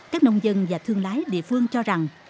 các nông dân và thương lái địa phương cho rằng